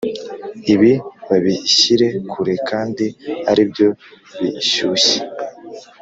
ibi babishyire kure kandi aribyo bishyushye!